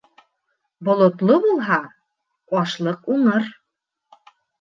Болотло булһа, ашлыҡ уңыр.